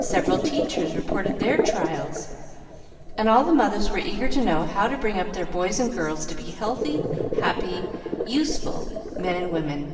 Several teachers reported their trials, and all the mothers were eager to know how to bring up their boys and girls to be healthy, happy, useful men and women.